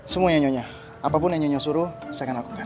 semuanya nyonya apapun yang nyonya suruh saya akan lakukan